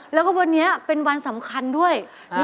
แล้วก็วันนี้เป็นวันสำคัญด้วย